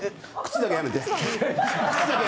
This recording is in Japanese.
靴だけはやめて！